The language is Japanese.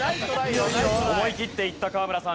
思い切っていった河村さんです。